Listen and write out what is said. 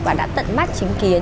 và đã tận mắt chứng kiến